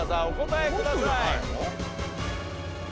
お答えください。